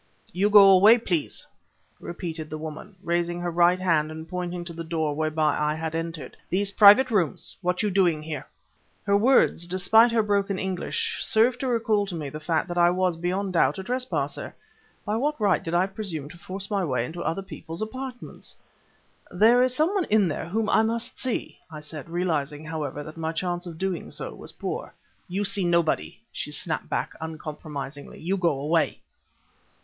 "You go away, please," repeated the woman, raising her right hand and pointing to the door whereby I had entered. "These private rooms. What you doing here?" Her words, despite her broken English, served to recall to me the fact that I was, beyond doubt, a trespasser! By what right did I presume to force my way into other people's apartments? "There is some one in there whom I must see," I said, realizing, however, that my chance of doing so was poor. "You see nobody," she snapped back uncompromisingly. "You go away!"